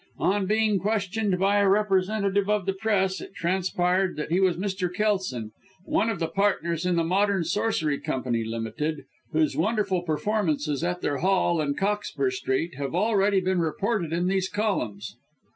On being questioned by a representative of the Press, it transpired he was Mr. Kelson, one of the partners in the Modern Sorcery Company Ltd., whose wonderful performances at their Hall, in Cockspur Street, have already been reported in these columns."